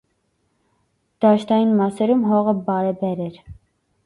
Դաշտային մասերում հողը բարեբեր էր։